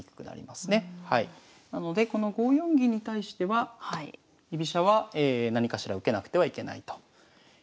なのでこの５四銀に対しては居飛車は何かしら受けなくてはいけないと。